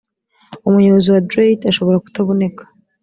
umuyobozi wa dreit ashobora kutaboneka